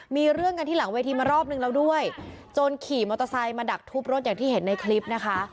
มีเรื่องกันที่หลังเวทีมารอบนึงแล้วด้วยจนขี่มอเตอร์ไซค์มาดักทุบรถอย่างที่เห็นในคลิปนะคะ